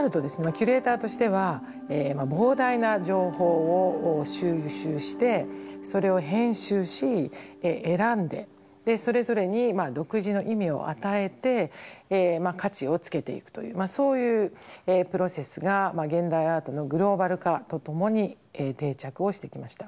キュレーターとしては膨大な情報を収集してそれを編集し選んでそれぞれに独自の意味を与えて価値をつけていくというそういうプロセスが現代アートのグローバル化とともに定着をしてきました。